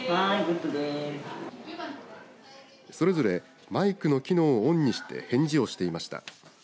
それぞれマイクの機能をオンにして返事をしていました。